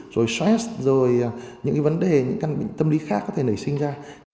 rồi stress rồi những cái vấn đề những cái tâm lý khác có thể nảy sinh ra